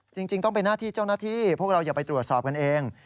จริงต้องเป็นหน้าที่เจ้าหน้าที่พวกเราอย่าไปตรวจสอบกันเอง